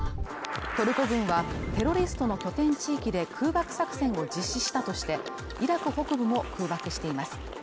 トルコ軍はテロリストの拠点地域で空爆作戦を実施したとしてイラク北部も空爆しています